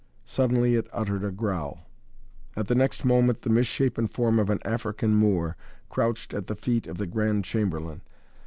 Suddenly it uttered a growl. At the next moment the misshapen form of an African Moor crouched at the feet of the Grand Chamberlain.